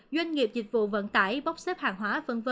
doanh nghiệp dịch vụ vận tải bóc xếp hàng hồ